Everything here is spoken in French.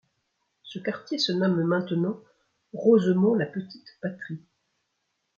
Ce quartier se nomme maintenant Rosemont–La Petite-Patrie.